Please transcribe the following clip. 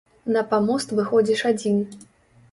На памост выходзіш адзін.